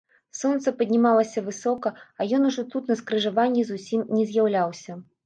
Сонца паднімалася высока, а ён ужо тут на скрыжаванні зусім не з'яўляўся.